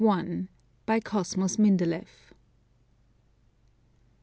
By Cosmos Mindeleff.